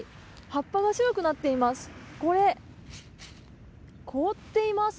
葉っぱが白くなっています。